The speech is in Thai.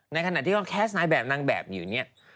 ในขณะที่เขาแคสต์นายแบบนางแบบอยู่เนี่ย